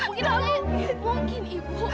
nggak mungkin ibu